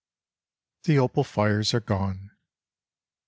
THE OPAL FIRES ARE GONE.